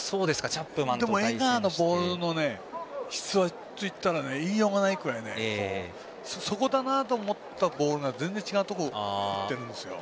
でも江川のボールの質はいいようがないぐらいでそこだなと思ったボールが全然違うところいっているんですよ。